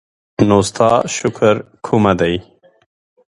نو ستا شکر کومه دی؟